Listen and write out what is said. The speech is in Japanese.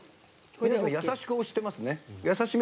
浜辺さん優しく押してますね。